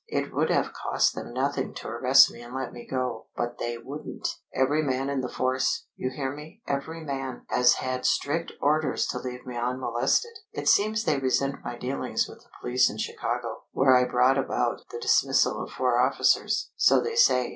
It would have cost them nothing to arrest me and let me go. But they wouldn't. Every man in the force you hear me, every man has had strict orders to leave me unmolested. It seems they resent my dealings with the police in Chicago, where I brought about the dismissal of four officers, so they say.